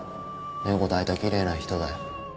猫抱いた奇麗な人だよ